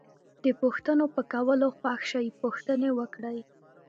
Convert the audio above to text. د پوښتنو په کولو خوښ شئ پوښتنې وکړئ.